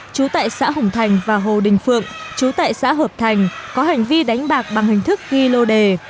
chú tại xã hồng thành và hồ đình phượng chú tại xã hợp thành có hành vi đánh bạc bằng hình thức ghi lô đề